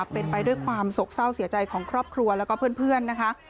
เป็นไปด้วยความโศกเศร้าเสียใจของครอบครัวแล้วก็เพื่อนนะคะ